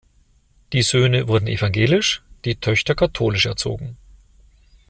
Die Söhne wurden evangelisch, die Töchter katholisch erzogen.